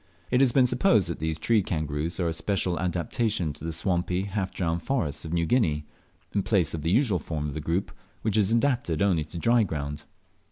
It has been supposed that these tree kangaroos are a special adaptation to the swampy, half drowned forests of, New Guinea, in place of the usual form of the group, which is adapted only to dry ground.